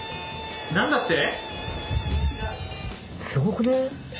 何だって？